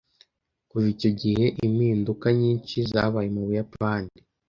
Kuva icyo gihe, impinduka nyinshi zabaye mu Buyapani.